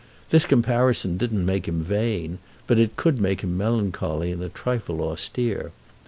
This comparison didn't make him vain, but it could make him melancholy and a trifle austere.